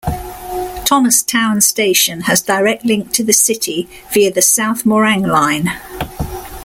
Thomastown Station has direct link to the City via the South Morang Line.